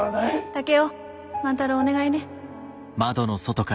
竹雄万太郎をお願いね。